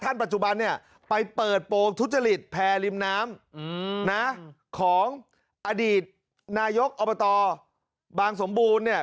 ปัจจุบันเนี่ยไปเปิดโปรงทุจริตแพร่ริมน้ำของอดีตนายกอบตบางสมบูรณ์เนี่ย